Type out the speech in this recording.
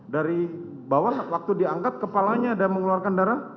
dari bawah waktu diangkat kepalanya ada mengeluarkan darah